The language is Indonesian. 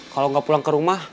kalau nggak pulang ke rumah